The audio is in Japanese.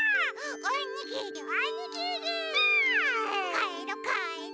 かえろかえろ！